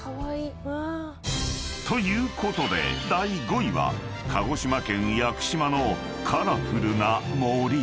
［ということで第５位は鹿児島県屋久島のカラフルな森］